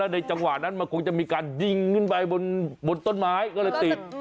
ในจังหวะนั้นมันคงจะมีการยิงขึ้นไปบนต้นไม้ก็เลยติด